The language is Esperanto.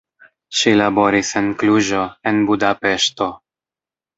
Ŝi laboris en Kluĵo, en Budapeŝto.